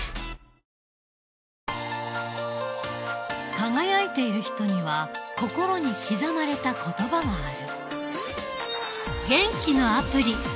輝いている人には心に刻まれた言葉がある